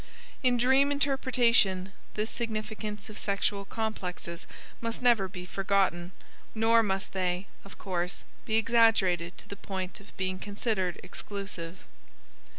In dream interpretation, this significance of sexual complexes must never be forgotten, nor must they, of course, be exaggerated to the point of being considered exclusive.